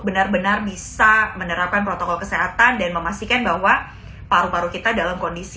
benar benar bisa menerapkan protokol kesehatan dan memastikan bahwa paru paru kita dalam kondisi